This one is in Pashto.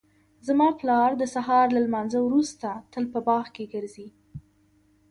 زما پلار د سهار له لمانځه وروسته تل په باغ کې ګرځي